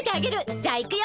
じゃあ行くよ。